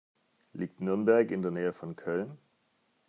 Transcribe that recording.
Liegt Nürnberg in der Nähe von Köln?